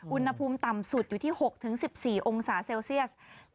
อุณหภูมิต่ำสุดอยู่ที่๖๑๔องศาเซลเซียส